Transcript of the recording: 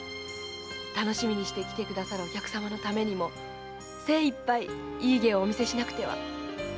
楽しみにして来てくださるお客さまのためにも精一杯いい芸をお見せしなくては。